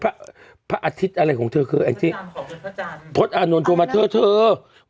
พระพระอาทิตย์อะไรของเธอพระอาจารย์ขอเงินพระจันทร์พระอานนทร์โทรมาเท่าเท่าเท่า